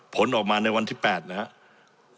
ผลออกมาในวันที่๘นะครับ